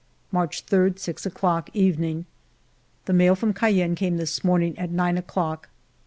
March 3, 6 o'clock^ evening. The mail from Cayenne came this morning at nine o'clock.